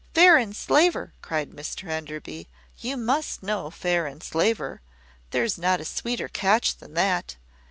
"`Fair Enslaver!'" cried Mr Enderby. "You must know `Fair Enslaver:' there is not a sweeter catch than that.